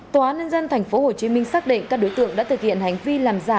tnnd tp hcm xác định các đối tượng đã thực hiện hành vi làm giả